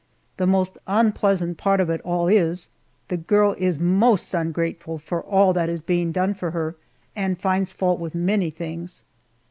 The most unpleasant part of it all is, the girl is most ungrateful for all that is being done for her, and finds fault with many things.